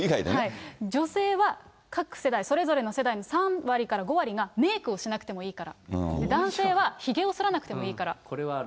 女性は、各世代それぞれの世代の３割から５割がメークをしなくてもいいから、男性はひげをそらなくてもいいから。